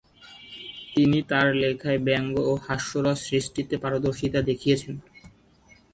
তিনি তার লেখায় ব্যঙ্গ ও হাস্যরস সৃষ্টিতে তার পারদর্শীতা দেখিয়েছেন।